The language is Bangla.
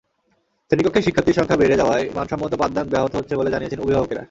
শ্রেণিকক্ষে শিক্ষার্থীর সংখ্যা বেড়ে যাওয়ায় মানসম্মত পাঠদান ব্যাহত হচ্ছে বলে জানিয়েছেন অভিভাবকেরা।